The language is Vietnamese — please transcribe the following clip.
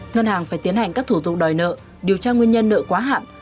ngân hàng phải tiến hành các thủ tục đòi nợ điều tra nguyên nhân nợ quá hạn